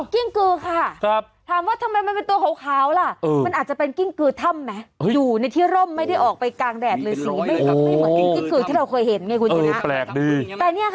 กิ้งกือค่ะครับถามว่าทำไมมันเป็นตัวขาวล่ะมันอาจจะเป็นกิ้งกือ